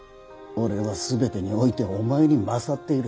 俺は全てにおいてお前に勝っている。